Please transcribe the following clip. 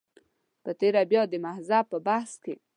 په تېره بیا د مذهب په بحث کې.